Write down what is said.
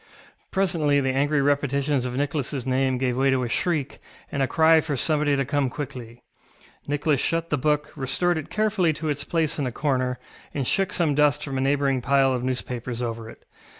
Presently the angry repetitions of NicholasŌĆÖ name gave way to a shriek, and a cry for somebody to come quickly. Nicholas shut the book, restored it carefully to its place in a corner, and shook some dust from a neighbouring pile of newspapers over it.